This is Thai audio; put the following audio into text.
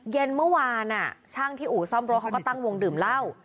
เย็นเมื่อวานช่างที่อู่ซ่อมรถเขาก็ตั้งวงดื่มเหล้า